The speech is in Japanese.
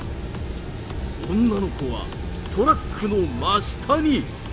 女の子はトラックの真下に。